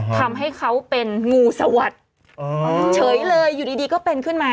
ทำให้เขาเป็นงูสวัสดิ์เฉยเลยอยู่ดีก็เป็นขึ้นมา